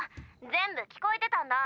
全部聞こえてたんだ。